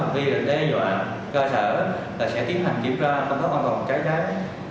vì vậy cơ sở sẽ tiến hành kiểm tra công an phòng trái trái